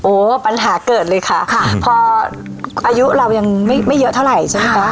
ปัญหาเกิดเลยค่ะค่ะพออายุเรายังไม่เยอะเท่าไหร่ใช่ไหมคะ